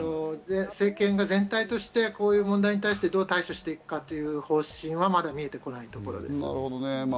政権が全体としてこういう問題に対してどう対処していくかという方針をまだ見えてこないところです。